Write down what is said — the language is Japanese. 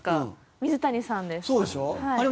「水谷さん」です。